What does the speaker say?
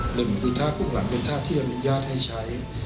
หนึ่งคือท่ากุ้งหลังเป็นท่าที่อนุญาตให้ใช้